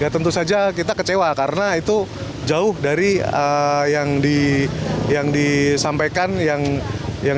tentu saja kita kecewa karena itu jauh dari yang disampaikan yang